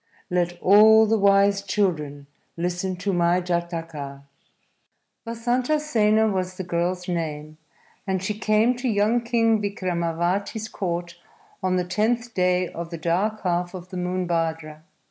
_ LET ALL THE WISE CHILDREN LISTEN TO MY JATAKA! Vasantasena was the girl's name, and she came to young King Vikramavati's court on the tenth day of the dark half of the month Bhadra.